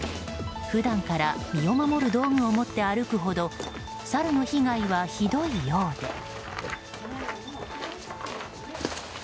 普段から身を守る道具を持って歩くほどサルの被害はひどいようで。